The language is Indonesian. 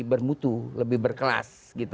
bermutu lebih berkelas